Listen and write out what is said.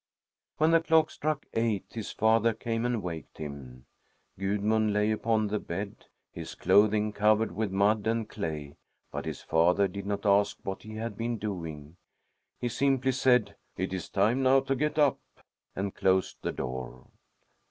When the clock struck eight, his father came and waked him. Gudmund lay upon the bed, his clothing covered with mud and clay, but his father did not ask what he had been doing. He simply said, "It is time now to get up," and closed the door.